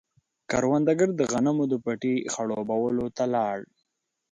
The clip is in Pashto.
کروندګر د غنمو د پټي خړوبولو ته لاړ.